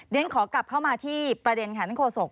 เรียนขอกลับเข้ามาที่ประเด็นค่ะท่านโฆษก